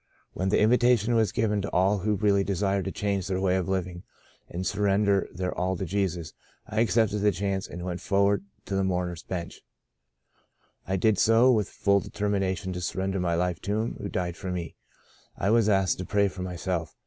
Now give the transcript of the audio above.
When the invitation was given to all who really de sired to change their way of living and sur render their all to Jesus, I accepted the chance and went forward to the mourners' bench. '* I did so with a full determination to sur render my life to Him who died for me. I was asked to pray for myself.